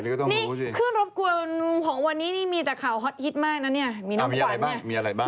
เขื่อนรบกวนของวันนี้มีแต่ข่าวฮอตฮิตแบบนั้น